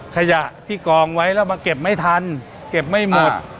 ขยะที่กองไว้แล้วมาเก็บไม่ทันเก็บไม่หมด